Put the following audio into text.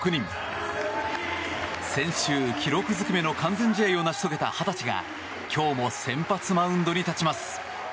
先週、記録ずくめの完全試合を成し遂げた２０歳が今日も先発マウンドに立ちます。